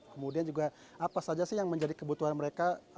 kemudian juga apa saja sih yang menjadi kebutuhan mereka